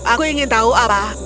aku ingin tahu apa